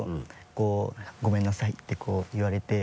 こう「ごめんなさい」って言われて。